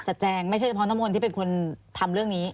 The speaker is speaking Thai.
แจงไม่ใช่เฉพาะน้ำมนต์ที่เป็นคนทำเรื่องนี้